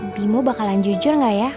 bimo bakalan jujur gak ya